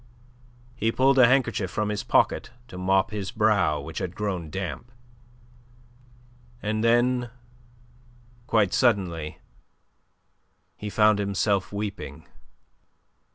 He pulled a handkerchief from his pocket to mop his brow, which had grown damp. And then, quite suddenly, he found himself weeping.